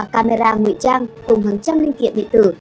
ba camera nguy trang cùng hàng trăm linh kiện điện tử